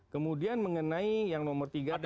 kemudian mengenai yang nomor tiga dan